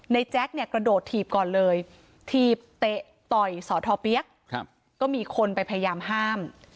แจ๊คเนี่ยกระโดดถีบก่อนเลยถีบเตะต่อยสอทอเปี๊ยกก็มีคนไปพยายามห้าม